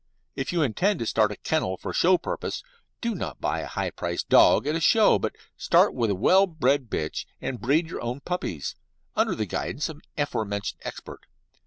If you intend to start a kennel for show purposes, do not buy a high priced dog at a show, but start with a well bred bitch, and breed your own puppies, under the guidance of the aforementioned expert.